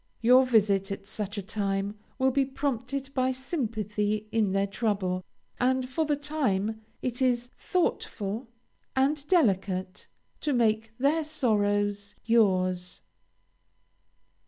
Your visit at such a time will be prompted by sympathy in their trouble, and for the time it is thoughtful and delicate to make their sorrows yours.